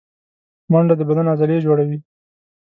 منډه د بدن عضلې جوړوي